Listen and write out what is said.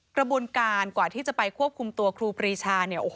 กระบวนการกว่าที่จะไปควบคุมตัวครูปรีชาเนี่ย